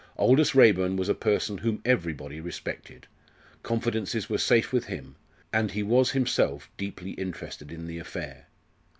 Aldous Raeburn was a person whom everybody respected; confidences were safe with him; and he was himself deeply interested in the affair.